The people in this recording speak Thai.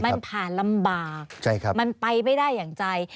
มันผ่านลำบากมันไปไม่ได้อย่างใจ